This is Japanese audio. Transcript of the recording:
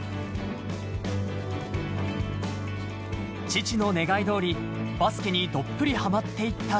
父の願い通りバスケにどっぷりはまっていった